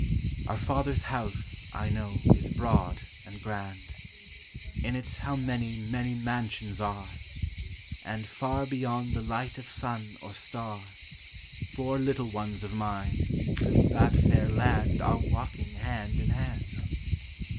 Our Father's house, I know, is broad and grand; In it how many, many mansions are! And, far beyond the light of sun or star, Four little ones of mine through that fair land Are walking hand in hand!